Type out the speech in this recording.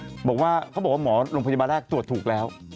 ีกขณะเองก็ลงทางประชาแทรกตรวจถูกแล้ว